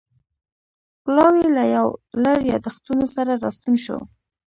پلاوی له یو لړ یادښتونو سره راستون شو